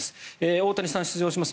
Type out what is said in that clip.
大谷さんが出場します